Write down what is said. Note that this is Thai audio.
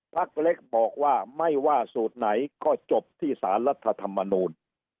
พักเล็กบอกว่าไม่ว่าสูตรไหนก็จบที่สารรัฐธรรมนูล